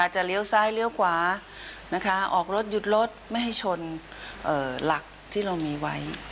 เลี้ยวซ้ายเลี้ยวขวาออกรถหยุดรถไม่ให้ชนหลักที่เรามีไว้